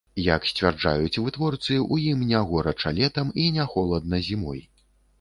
Як сцвярджаюць вытворцы, у ім не горача летам і не холадна зімой.